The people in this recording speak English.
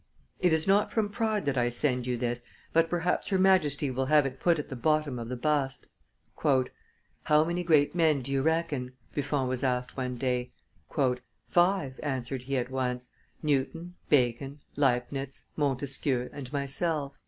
It is not from pride that I send you this, but perhaps Her Majesty will have it put at the bottom of the bust." "How many great men do you reckon?" Buffon was asked one day. "Five," answered he at once: " Newton, Bacon, Leibnitz, Montesquieu, and myself."